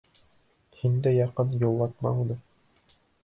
Һин дә яҡын юллатма уны.